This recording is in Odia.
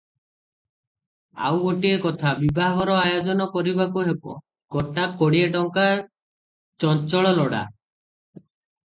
ଆଉ ଗୋଟିଏ କଥା- ବିଭାଘର ଆୟୋଜନ କରିବାକୁ ହେବ, ଗୋଟା କୋଡିଏ ଟଙ୍କା ଚଞ୍ଚଳ ଲୋଡା ।